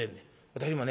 私もね